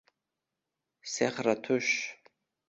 Sehri tush